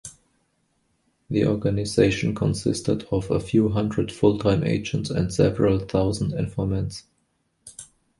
The organization consisted of a few hundred full-time agents and several thousand informants.